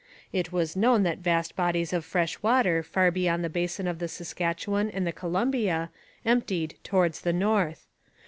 It was known that vast bodies of fresh water far beyond the basin of the Saskatchewan and the Columbia emptied towards the north.